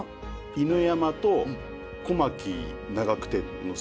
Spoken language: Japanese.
犬山と小牧長久手の３か所。